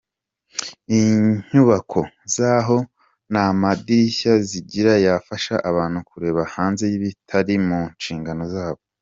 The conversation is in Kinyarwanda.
Inyubako zaho nta madirisha zigira yafasha abantu kureba hanze y’ibitari mu nshingano zabo.